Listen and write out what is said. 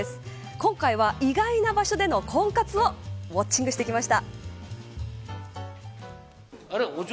今回は、意外な場所での婚活をウオッチングしてきました。